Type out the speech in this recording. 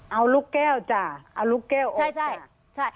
เอาลูกแก้วจ้ะเอาลูกแก้วออกใช่